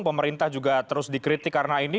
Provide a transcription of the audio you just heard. pemerintah juga terus dikritik karena ini